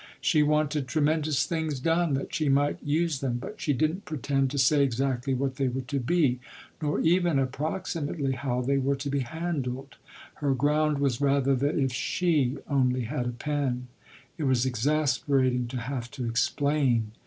She wanted tremendous things done that she might use them, but she didn't pretend to say exactly what they were to be, nor even approximately how they were to be handled: her ground was rather that if she only had a pen it was exasperating to have to explain!